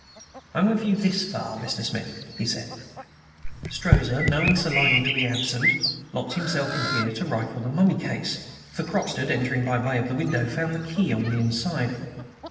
"I'm with you this far, Mr. Smith," he said. "Strozza, knowing Sir Lionel to be absent, locked himself in here to rifle the mummy case, for Croxted, entering by way of the window, found the key on the inside.